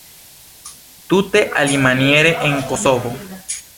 Tute alimaniere en Kosovo.